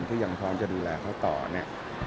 ที่ยังพร้อมจะดูแลเขาต่อเนี่ย